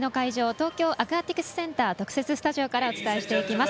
東京アクアティクスセンターの特設会場からお伝えしていきます。